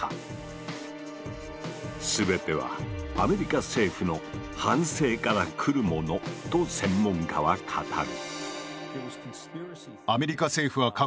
全てはアメリカ政府の「反省」から来るものと専門家は語る。